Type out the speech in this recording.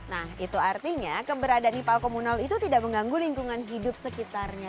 nah itu artinya keberadaan ipal komunal itu tidak mengganggu lingkungan hidup sekitarnya